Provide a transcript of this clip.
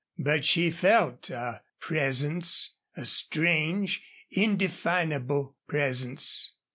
But she felt a presence a strange, indefinable presence.